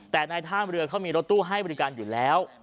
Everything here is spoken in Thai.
แต่ในท่ามเรือเขามีรถตู้ให้บริการอยู่แล้ว